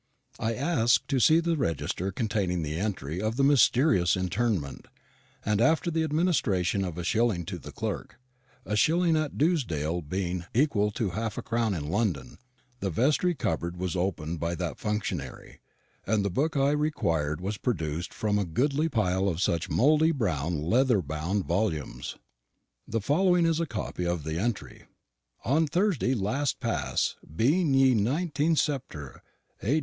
I asked permission to see the register containing the entry of the mysterious interment; and after the administration of a shilling to the clerk a shilling at Dewsdale being equal to half a crown in London the vestry cupboard was opened by that functionary, and the book I required was produced from a goodly pile of such mouldy brown leather bound volumes. The following is a copy of the entry: "On Thursday last past, being ye 19 Sep'tr, A.